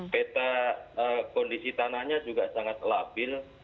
peta kondisi tanahnya juga sangat labil